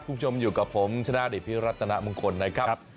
คุณผู้ชมอยู่กับผมชนะดิตพิรัตนมงคลนะครับ